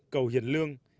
cầu hiền lương